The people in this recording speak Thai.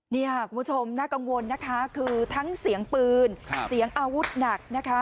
นี่ค่ะคุณผู้ชมน่ากังวลนะคะคือทั้งเสียงปืนเสียงอาวุธหนักนะคะ